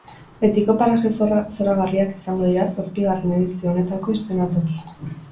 Betiko paraje zoragarriak izango dira zazpigarren edizio honetako eszenatoki.